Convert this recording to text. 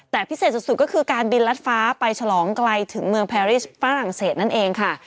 แต่พิเศษสุดก็คือการบินรัดฟ้าไปฉลองไกลถึงเมืองแพรริสฝรั่งเศสนั่นเองค่ะ